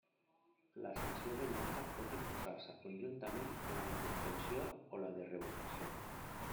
La sanció de multa pot imposar-se conjuntament amb la de suspensió o la de revocació.